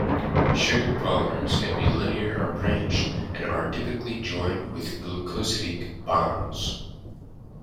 Sugar polymers can be linear or branched and are typically joined with glycosidic bonds.